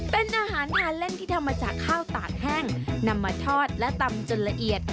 เป็นอาหารทานเล่นที่ทำมาจากข้าวตากแห้งนำมาทอดและตำจนละเอียด